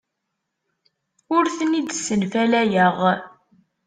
Ur ten-id-ssenfalayeɣ.